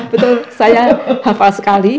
betul saya hafal sekali